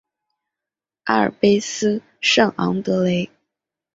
阿尔卑斯圣昂德雷。